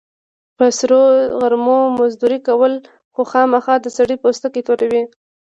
په سرو غرمو مزدوري کول، خوامخا د سړي پوستکی توروي.